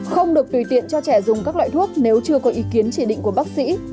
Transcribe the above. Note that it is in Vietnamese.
không được tùy tiện cho trẻ dùng các loại thuốc nếu chưa có ý kiến chỉ định của bác sĩ